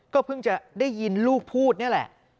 เพิ่งจะได้ยินลูกพูดนี่แหละ